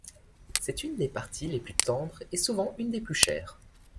C'est une des parties les plus tendres et souvent une des plus chères.